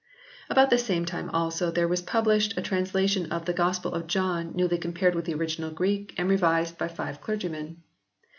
About the same time also there was published a translation of " The Gospel of John newly compared with the original Greek and revised by five clergy men."